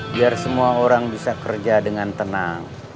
biar semua orang bisa kerja dengan tenang